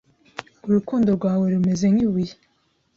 Urukundo rwawe rumeze nk’ibuye